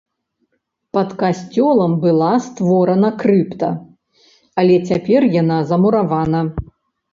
Пад касцёлам была створана крыпта, але цяпер яна замуравана.